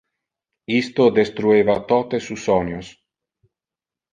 Isto destrueva tote su sonios.